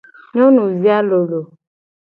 Nyonuvi a lolo.